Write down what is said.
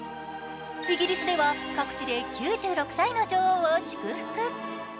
イギリスでは各地で９６歳の女王を祝福。